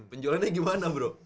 penjualannya gimana bro